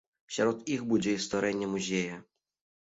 Сярод іх будзе і стварэнне музея.